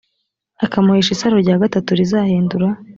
akamuhesha isaro rya gatatu rizahindura